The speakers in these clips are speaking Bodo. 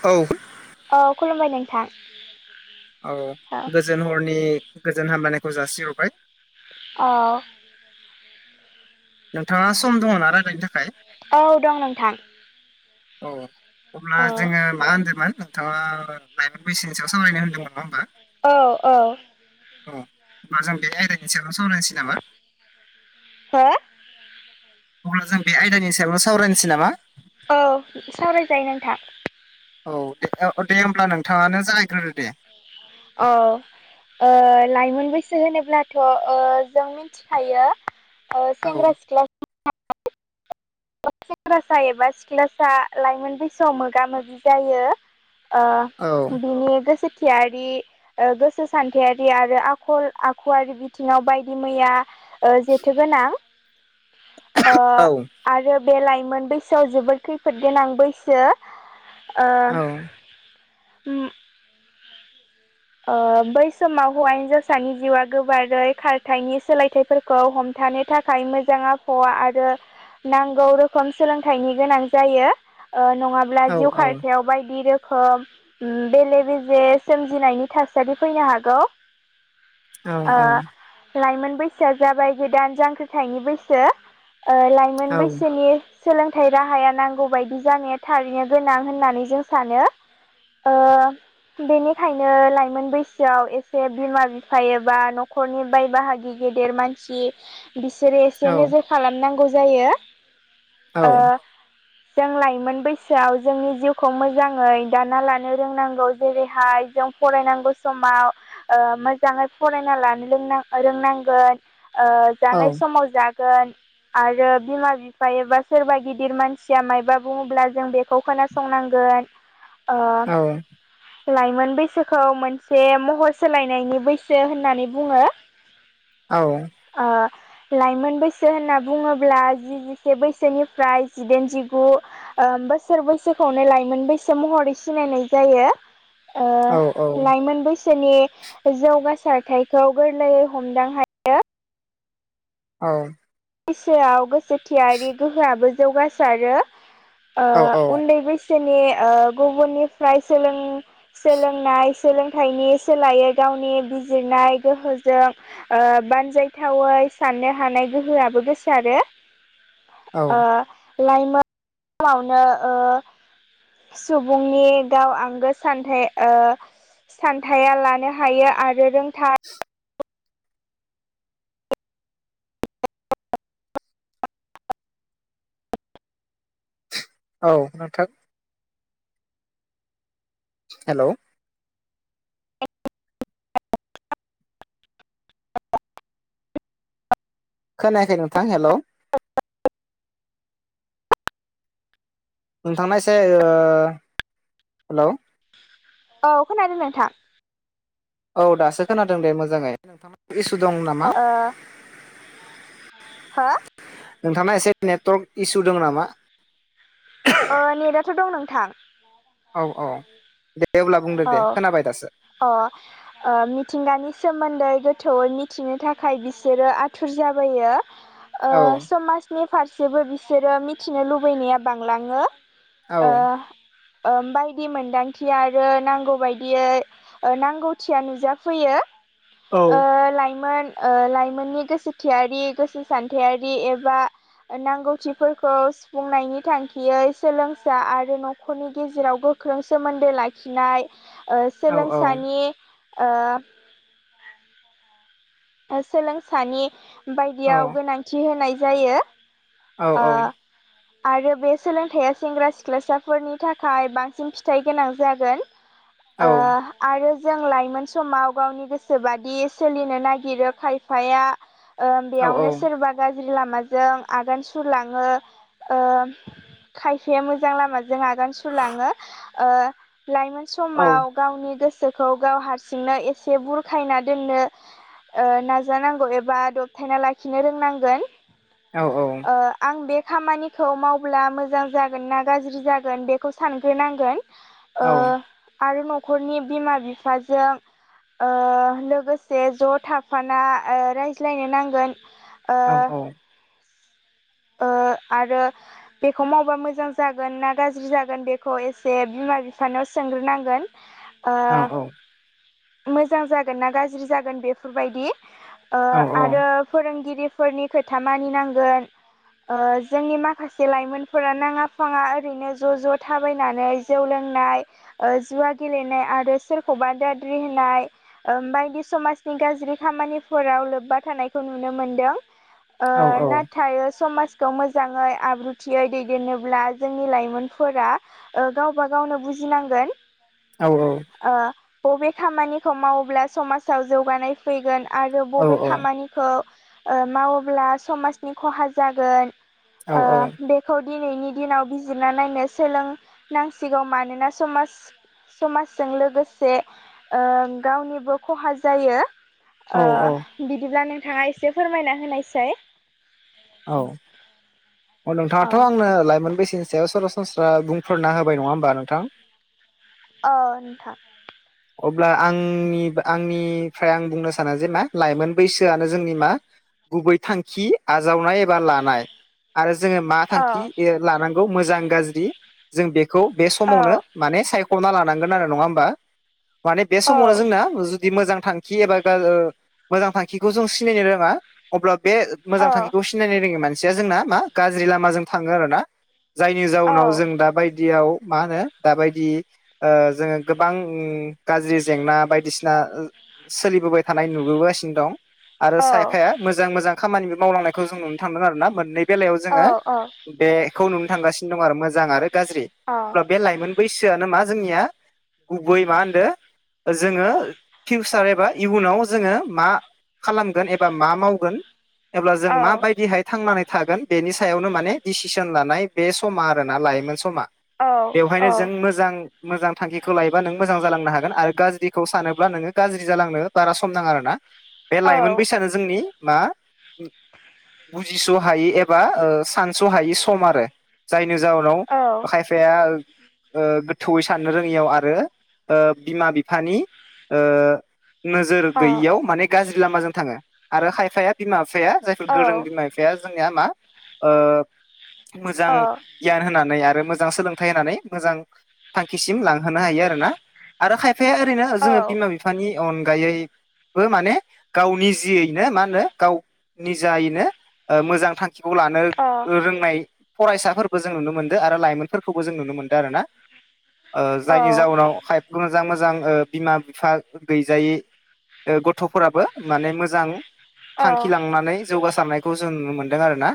औ औ खुलुमबाय नोंथां औ गोजोन हरनि गोजोन हामलनायखौ जासिहरबाय औ नोंथाङा सम दङ ना रायलायनो थाखाय औ दं नोंथां औ अब्ला औ जोङो मा होनदोंमोन नोंथाङा लाइमोन बैसोनि सायाव सावरायनो होन्दोंमोन नङा होमबा औ औ औ होमबा जों बे आयदानि सायावनो सावरायनोसै नामा हा अब्ला जों बे आयदानि सायावनो सावरायनोसै नामा औ सावरायजायो नोंथां औ दे औ दे होमब्ला नोंथाङानो जागायग्रोदो दे औ ओ लाइमोन बैसो होनोब्लाथ' ओ जों मिथिखायो औ सेंग्रा सिख्ला सेंग्रासा एबा सिख्लासा लाइमोन बैसोआव मोगा मोगि जायो ओ औ बिदिनो गोसो थियारि गोसो सान्थायारि आरो आखल आखुवारि बिथिङाव बायदि मैया ओ जेथोगोनां ओ औ आरो बे लाइमोन बैसोआव जोबोद खैफोद गोनां बैसो ओ औ उम ओ बै समाव हौवा हिन्जावसानि जिउआ गोबारै खारथायनि सोलायथाय फोरखौ हमथानो थाखाय मोजां आबहावा आरो नांगौ रोखोम सोलोंथाइनि गोनां जायो ओ नङा- -ब्ला औ जिउ औ खारथायाव बायदि रोखोम बेले बेजे सोमजिनायनि थासारि फैनो हागौ औ ओ लाइमोन बैसोआ जाबाय गोदान जांख्रिथायनि बैसो लाइमोन औ बैसोनि सोलोंथाइ राहाया नांगौ बदि जानाया थारैनो गोनां होननानै जों सानो ओ बेनिखायनो लाइ- -मोन बैसोआव एसे बिमा बिफा एबा न'खरनि बाय बाहागि गेदेर मानसि बिसोरो एसे नोजोर खालामनांगौ जायो औ ओ जों लाइमोन बैसोआव जोंनि जिउखौ मोजाङै दाना लानो रोंनांगौ जेरैहाय जों फरायनां- -गौ समाव ओ मोजाङै फरायना लानो रोंनां रोंनांगोन ओ जानाय औ समाव जागोन आरो बिमा बिफा एबा सोरबा गिदिर मानसिया मायबा बुङोब्ला जों बेखौ खोनासंनांगोन [inaudible] ओ लाइमोन बैसोखौ मोन- से महर सोलायनायनि बैसो होननानै बुङो। औ ओ [unintelligible] लाइमोन बैसो होनना बुङोब्ला जि जिसे बैसोनिफ्राय जिदाइन जिगु बोसोर बैसोखौनो लाइमोन बैसो महरै सिनायनाय जायो। मोन बैसोनि जौगासारथायखौ गोरलैयै हमदां हायो औ बैसोआव गोसोथियारि गोहोआबो जौगासारो। औ उन्दै बैसोनि गुबुननिफ्राय सोलोंनाय सोलोंथाइनि सोलायै गावनि बिजिरनाय गोहोजों बानजायथावै साननो हानाय गोहोआ गोसो आरो औ लाइमोनावनो सुबुंनि गाव आंगो सान्थाइ सानथाया लानो हायो आरो रोंथा ज [inaudible] औ नोंथां। हेल'? खोनायाखै नोंथां हेल'? नोंथांनाय ए एसे हेल औ खोनादों नोंथां? औ दासो खोनादों दे मोजाङै। नोंथां इसु दं नामा? ओ हो [inaudible] नोंथाङा एसे नेटवर्क इसु दङ नामा? नेटआथ' दं नोंथां। औ औ दे अब्ला बुंदो औ दे खोनाबाय दासो। अ मिथिंगानि सोमोन्दै गोथौयै मिथिनो थाखाय बिसोरो आथुर जाबोयो। औ समाजनि फारसेबो बिसोरो मिथिनो लुबैनाया बांलाङो। औ बायदि मोनदांथि आरो आरो नांगौ बादियै नांगौथिया नुजाफैयो। औ लाइमोन लाइमोननि गोसोथियारि गोसो सानथायारि एबा नांगौथिफोरखौ सुफुंनायनि थांखियै सोलोंसा आरो न'खरनि गेजेराव गोख्र गोख्रों सोमोन्दो लाखिनाय औ सोलोंसानि सोलोंसानि बायदियाव गोनांथि होनाय जायो औ [inaudible] आरो बे सोलोंथाइया सेंग्रा सिख्लासाफोरनि थाखाय बांसिन फिथाइ गोनां जागोन। औ औ आरो जों लाइमोन समाव गावनि गोसो बादि सोलिनो नागिर खिरो खायफाया औ बेयावनो सोरबा गाज्रि लामाजों आगान सुरलाङो खायफाया मोजां लामाजों आगान सुरलाङो लाइमोन औ समाव गावनि गोसोखौ गाव हारसिंनो एसे बुरखायना दोननो नाजानांगौ एबा दबथायना लाखिनो रोंनांगोन। औ औ आं बे खामानिखौ मावब्ला मोजां जागोन ना गाज्रि जागोन बेखौ सानग्रोनांगोन। आरो न'खरनि बिमा बिफाजों लोगोसे ज' थाफाना रायज्लायनो नांगोन। ओ औ औ आरो बेखौ मावबा मोजां जागोन ना गाज्रि जागोन बेखौ एसे बिमा बिफानाव सोंग्रोनांगोन। [inaudible] मोजां जागोन ना गाज्रि जागोन बेफोरबायदि आरो फोरोंगिरिफोरनि खोथा मानिनांगोन जोंनि माखासे लाइमोनफोरा नाङा फाङा ओरैनो ज' ज' थाबायनानै जौ लोंनाय ओ जुवा गेलेनाय आरो सोरखौ दाद्रि होनाय बायदि समाजनि गाज्रि खामानिफोराव लोब्बा थानायखौ नुनो मोनदों ओ नाथायो समाजखौ मोजाङै आब्रुथियै दैदेननोब्ला जोंनि लाइमोनफोरा गावबा गावनो बुजिनांगोन औ औ बबे खामानिखौ मावोब्ला समाजाव जौगानाय फैगोन आरो बबे खामानिखौ मावोब्ला समाजनि खहा जागोन बे खौ दिनैनि दिनाव बिजिरना नायनो सोलोंनांसिगौ मानोना समाज समाजजों लोगोसे गावनिबो खहा जायो औ बिदिब्ला नोंथाङा एसे फोरमायना होनायसै औ अ औ नोंथाङाथ' आंनो लाइमोन बैसोनि सायाव सरासनस्रा बुंफोरना होबाय नङा होमबा नोंथां अ नोंथां अब्ला आंनि आंनिफ्राय आं बुंनो सानो जे मा लाइमोन बैसोआनो जोंनि मा गुबै थांखि आजावनाय लानाय आरो जोङो मा औ थांखि लानांगौ मोजां गाज्रि जों बेखौ बे औ समावनो माने सायख'ना लानांगोन आरो नङा होमबा माने बे औ समावनो जोंना जुदि मोजां थांखि एबा मोजां थांखिखौ जों सिनायनो रोङा अब्ला बे मोजां थांखिखौ सिनायनो रोङो मानसिया जोंना मा गाज्रि लामाजों थाङो आर ना जायनि औ जाउनाव जों दा बायदियाव मा होनो दाबायदि जोङो गोबां गाज्रि जेंना बायदिसिना सोलिबोबाय थानाय नुबोगासिनो दं आरो औ सायफाया मोजां मोजां खामानिबो मावलांनायखौ जों नुनो थांदों आर ना मोननै बेल जोङ औ औ बेखौ नुनो थांगासिनो दं आरो मोजां आरो गाज्रि ह बे लाइ बैसोआनो मा जोंनिया गुबै मा होन जोङो फिउसार एबा इयुनाव जोङो मा खालामगोन एबा मा मावगोन अब्ला जों माबायदिहाय थांनानै थागोन बेनि सायावनो माने डिसिसन लानाय बे समा आरो ना लाइमोन समा अ औ अ औ अ औ औ बेवहायनो जों मोजां मोजां थांखिखौ लायोबा नों मोजां गार नाङा बे लाइमोन बैस जोंनि मा बुजिस' हायि एबा सानस' हायि सम आरो जायनि जाहोनाव खायफाया गोथौवयै साननो रोङियाव आरो। बिमा बिफानि नोजोर गैयियाव माने गाज्रि लामाजों थाङो आरो खायफाया बिमा बिफाया जायफोर गोरों बिमा बिफाया बिफाया जोंनिया मा मोजां गियान होनानै आरो मोजां सोलोंथाइ होनानै मोजां थांखिसिम लांहोनो हायो आरो ना आरो खायफाया ओरैनो जोङो बिमा बिफानि अनगायै माने गावनि जियैनो मा होनो गाव निजायैनो मोजां थांख खौ लानो औ रोंनाय फरायसाफोरबो जों नुनो मोन्दों आरो लाइमोनफोरखौबो जों नुनो मोनदों आरो ना जायनि जाउनाव खायफ मोजां मोजां बिमा बिफा गैजायै गथ'फोराबो माने मोजां। थांखि लांनानै जौगासारनायखौ जों नुनो मोनदों आरो ना।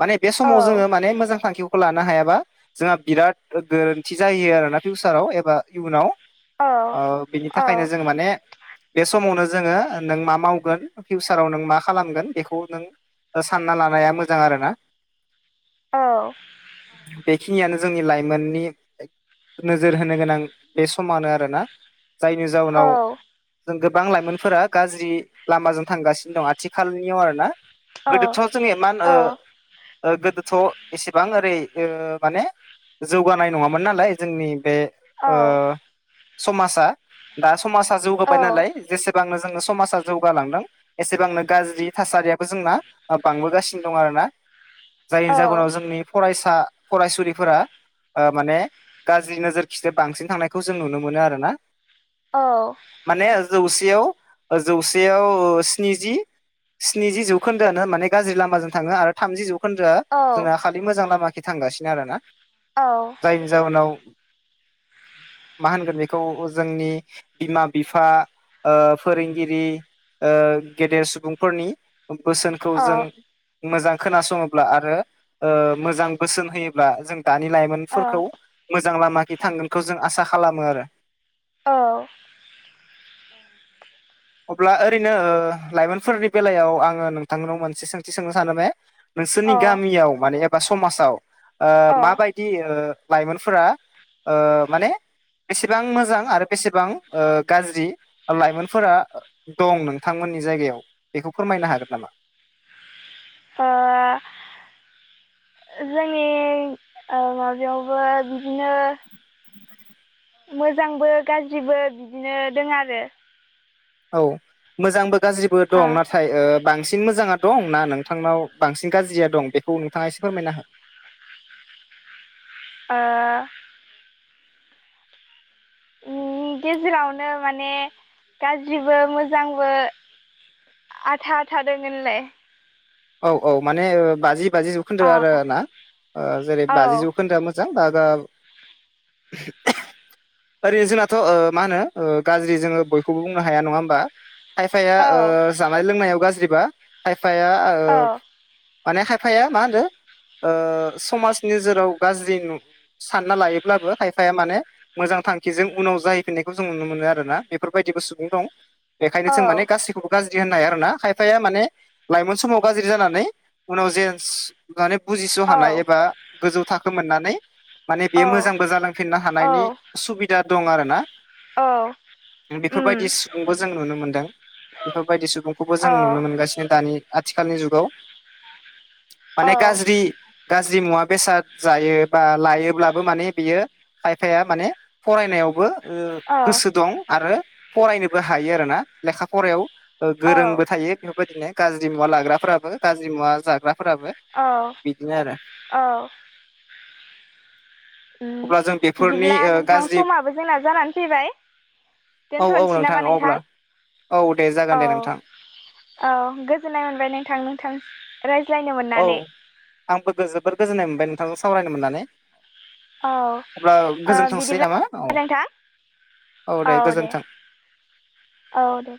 माने बे समाव जोङो माने मोजां थांखिखौ खौ लानो हाबा जोंहा बिरााद गोरोन्थि जायोायो आरोोना फिउचाराव एबा इयुनाव औ बिनि औ औ थाखायनो जों माने बे समावनो जोङो नों मा मावगोन फिउसाराव नों मा खालामगोन बेखौ नों सानना लानाया मोजां आरो ना औ बेखिनियानो जोंनि लाइमोननि नोजोर होनो गोनां बे समानो आरोना जायनि औ अ जाउनाव जों गोबां लाइमोनफोरा गाज्रि लामाजों थांगासिनो दं आथिखालनियाव आरो ना गोरब ससनि मान गोदोथ' एसेबां ओरै माने जौगानाय नङामोन नालाय जोंनि बे ओ औ समाजा दा समाजा जौगाबाय नालाय जेसेबांनो जोङो समाजा जौगालांदों एसेबांनो गाज्रि थासारियाबो जोंना बांबोगासिनो दं आर ना जायनि जाहोनाव जोंनि फरायसा फरायसुलिफोरा माने गाज्रि नोजोर खिजोब बांसिन थांनायखौ जों नुनो मोनो आरो ना औ माने जौसेयाव जौसेयाव स्निजि स्निजि जौखोन्दोआानो माने गाज्रि लामाजों थाङो आरो। थामजि जौखोन्दोआ जोंना खालि मोजां लामााखि थांगासिनो आरो ना। औ जायनि जाउनाव मा होनगोन बेखौ जोंनि बिमा बिफा फोरोंगिरि गेदेर सुबुंफोरनि बोसोनखौ जों मोजां खोनासङोब्ला आरो मोजां बोसोन होयोब्ला जों दानि लाइमोन फोर मोजां लामाथि थांगोनखौ जों आसा खालामो आरो। औ। अब्ला ओरैनो लाइमोनफोरनि बेलायाव आङो नोंथांनाव मोनसे सोंथि सोंनो सानो बे नोंसोरनि गामियाव माने एबा समाजाव माबाय बिदि लाइमोनफोरा माने बेसेबां मोजां आरो बेसेबां गाज्रि लाइमोनफोरा दं नोंथांमोननि जायगायाव बेखौ फोरमायनो हागोन नामा ओ जोंनि माबायावबो बिदिनो मोजांबो गाज्रिबो बिदिनो दों आरो औ मोजांबो गाज्रिबो ओ दं नाथाय ओ बांसिन मोजाङा दं ना नोंथांनाव बांसिन गाज्रिया दं बेखौ नोंथाङा एसे फोरमायना हो ओ नि गेजेरावनो माने गाज्रिबो मोजांबो आधा आधा दोङोनलाय औ औ माने बाजि बाजि जौखोन्दो अ आरो ना ओ जेरै बाजि औ जौखोन्दो [unintelligible] ओरैनो जोंनाथ' ओ मा होनो ओ गाज्रि जोङो बयखौबो बुंनो हाया नङा होमबा खायफाया औ ओ जानाय लोंनायाव गाज्रिबा खायफाया ओ औ माने खायफाया मा होनो ओ समाजनि नोजोराव गाज्रि नु सानना लायोब्लाबो खायफाया माने मोजां थांखिजों उनाव जाहैफिननायखौ जों नुनो मोनो आरोना बेफोरबायदिबो सुबुं दं बेखायनो जों माने औ गासैखौबो गाज्रि होननो हाया आरो ना खायफाया माने लाइमोन समाव गाज्रि जानानै उनाव जे माने बुजिस' हानाय एबा औ गोजौ थाखो मोननानै माने बेयो मोजांबो जालांफिननो हानायनि औ सुबिदा दं आरो ना औ बेफोरबायदि सुबुंबो जों नुनो मोन्दों बेफोरबायदि सुबुंखौबो जों नुनो मोनगासिनो दानि आथिखालनि जुगाव औ माने गाज्रि गाज्रि मुवा बेसाद जायो बा लायोब्लाबो माने बियो खायफाया माने फरायनायावबो ओ औ गोसो दं आरो फरायनोबो हायो आरोना लेखा फरायाव ओ औ गोरोंबो थायो बे बेबायदिनो गाज्रि मुवा लाग्राफोराबो गाज्रि मुवा जाग्राफोराबो औ बिदिनो आरो औ उम अब्ला जों बेफोरनि बिदिब्ला ओ नोंथां गाज्रि समाबो जोंना जानानै फैबाय औ औ दोनथ'नोसै नामा नोंथां अब्ला औ दे जागोन औ दे नोंथां औ गोजोननाय मोनबाय नोंथां नोंथां रायज्लायनो मोननानै औ आंबो गो जोबोर गोजोन्नाय मोनबाय नोंथांजों सावरायनो मोननानै औ अब्ला ओ गोजोनथोंसै बिदिब्ला नामा औ नोंथां औ दे गोजोनथों औ दे